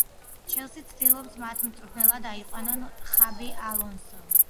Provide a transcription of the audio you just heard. ჩელსი ცდილობს მათ მწვრთნელად აიყვანონ ხაბი ალონსო